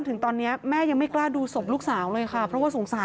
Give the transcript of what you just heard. ว่าว่าว่าว่าว่าว่าว่าว่าว่าว่าว่าว่าว่า